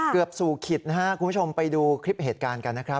เกือบสู่ขิตนะครับคุณผู้ชมไปดูคลิปเหตุการณ์กันนะครับ